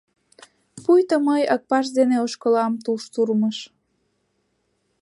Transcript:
Пуйто мый Акпарс дене ошкылам тул штурмыш.